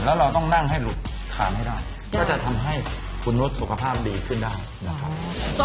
แล้วเราต้องนั่งให้หลุดคานให้ได้ก็จะทำให้คุณรถสุขภาพดีขึ้นได้นะครับ